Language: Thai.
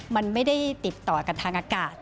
มันไม่ได้ติดต่อกันทางอากาศ